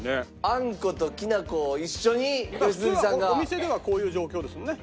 あんこときな粉を一緒に良純さんが。普通はお店ではこういう状況ですもんね。